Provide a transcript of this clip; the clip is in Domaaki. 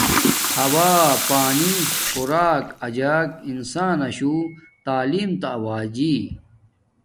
ہوا ۔پانی /خوراک اجاک انساناشو تعیلم تا اوجی